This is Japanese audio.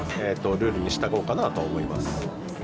ルールに従おうかなと思います。